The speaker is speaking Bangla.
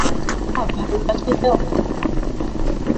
প্রতাপ ভাল আছে তো?